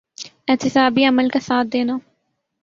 احتسابی عمل کا ساتھ دینا۔